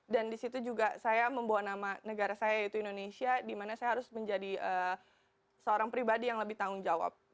dan disitu juga saya membuat nama negara saya yaitu indonesia di mana saya harus menjadi seorang pribadi yang lebih tanggung jawab